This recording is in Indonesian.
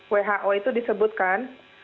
who itu disebutkan